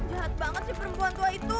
jahat banget sih perempuan tua itu